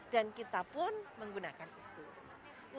kita pun menggunakan itu